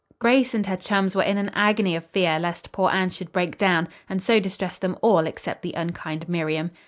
Grace and her chums were in an agony of fear lest poor Anne should break down, and so distress them all except the unkind Miriam.